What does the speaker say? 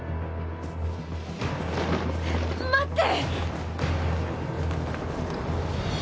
待って！